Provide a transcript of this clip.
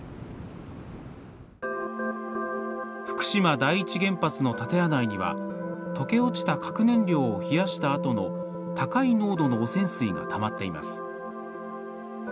福島第一原発の建屋内には溶け落ちた核燃料を冷やしたあとの高い濃度の汚染水がたまっています。